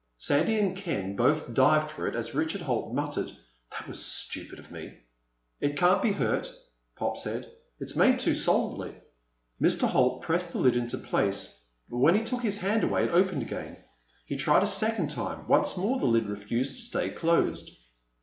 Sandy and Ken both dived for it as Richard Holt muttered, "That was stupid of me." "It can't be hurt," Pop said. "It's made too solidly." Mr. Holt pressed the lid into place, but when he took his hand away it opened again. He tried a second time. Once more the lid refused to stay closed.